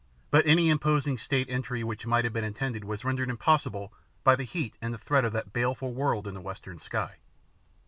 But any imposing State entry which might have been intended was rendered impossible by the heat and the threat of that baleful world in the western sky.